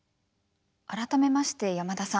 改めまして山田さん